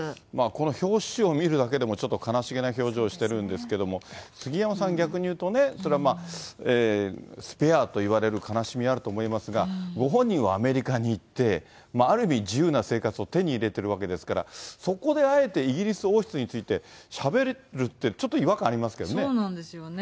この表紙を見るだけでも、ちょっと悲しげな表情してるんですけども、杉山さん、逆に言うとね、スペアと言われる悲しみはあると思いますが、ご本人はアメリカに行って、ある意味自由な生活を手に入れてるわけですから、そこであえてイギリス王室についてしゃべるって、そうなんですよね。